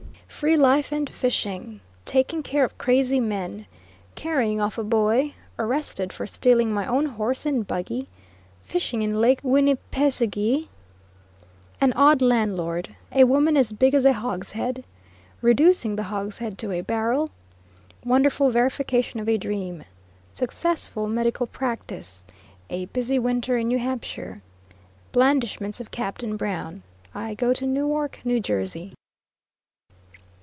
FREE LIFE AND FISHING. TAKING CARE OF CRAZY MEN CARRYING OFF A BOY ARRESTED FOR STEALING MY OWN HORSE AND BUGGY FISHING IN LAKE WINNIPISEOGEE AN ODD LANDLORD A WOMAN AS BIG AS A HOGSHEAD REDUCING THE HOGSHEAD TO A BARREL WONDERFUL VERIFICATION OF A DREAM SUCCESSFUL MEDICAL PRACTICE A BUSY WINTER IN NEW HAMPSHIRE BLANDISHMENTS OF CAPTAIN BROWN I GO TO NEWARK, NEW JERSEY.